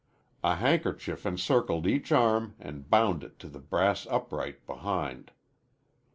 A handkerchief encircled each arm and bound it to the brass upright behind.